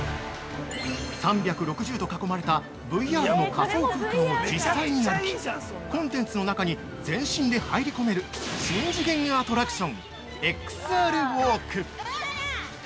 ◆３６０度囲まれたＶＲの仮想空間を実際に歩き、コンテンツの中に全身で入り込める新次元アトラクション「ＸＲＷＡＬＫ」。